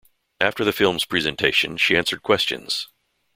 After the film's presentation, she answered questions.